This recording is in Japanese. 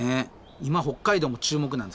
今北海道も注目なんですか？